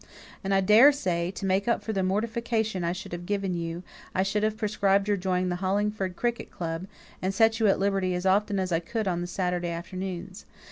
And I daresay, to make up for the mortification I should have given you, I might have prescribed your joining the Hollingford Cricket Club, and set you at liberty as often as I could on the Saturday afternoons.